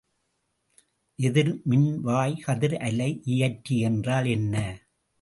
எதிர்மின்வாய்க்கதிர் அலை இயற்றி என்றால் என்ன?